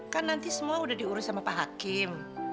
kan nanti semua udah diurus sama pak hakim